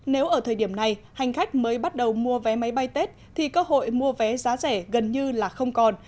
nếu ở thời điểm này hành khách mới bắt đầu mua vé máy bay tết thì cơ hội mua vé giá rẻ gần như là không còn